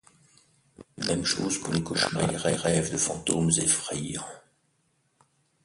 Même chose pour les cauchemars et les rêves de fantômes effrayants.